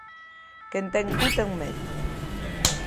Quen ten cu ten medo.